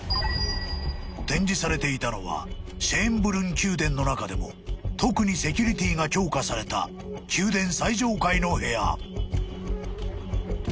［展示されていたのはシェーンブルン宮殿の中でも特にセキュリティーが強化された宮殿最上階の部屋］